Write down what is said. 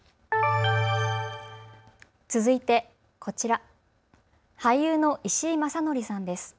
続いてこちら、俳優の石井正則さんです。